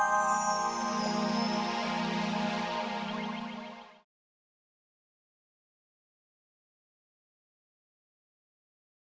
mak mak mak